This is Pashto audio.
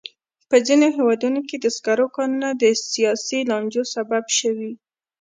په ځینو هېوادونو کې د سکرو کانونه د سیاسي لانجو سبب شوي.